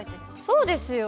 そうですよ。